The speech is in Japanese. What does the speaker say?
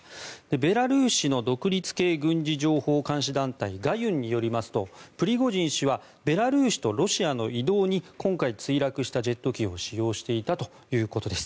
ベラルーシの独立系軍事情報監視団体ガユンによりますとプリゴジン氏はベラルーシとロシアの移動に今回墜落したジェット機を使用していたということです。